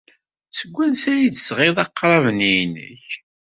Seg wansi ay d-tesɣiḍ aqrab-nnek?